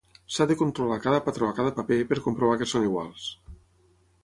S'ha de controlar cada patró a cada paper per comprovar que són iguals.